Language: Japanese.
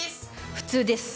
普通です。